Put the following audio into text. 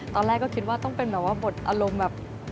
ตอนแรกก็คิดว่าต้องเป็นแบบว่าบทอารมณ์แบบ